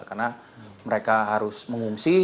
karena mereka harus mengungsi